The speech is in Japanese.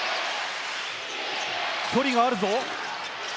距離があるぞ。